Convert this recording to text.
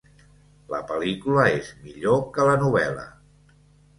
La pel·lícula és millor que la novel·la.